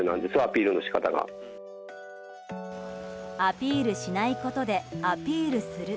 アピールしないことでアピールする。